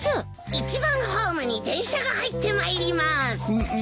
１番ホームに電車が入ってまいります。